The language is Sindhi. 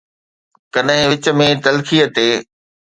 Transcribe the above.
ڪڏهن وچ ۾ تلخيءَ تي